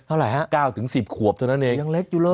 เท่าไหร่ฮะ๙๑๐ขวบเท่านั้นเองยังเล็กอยู่เลย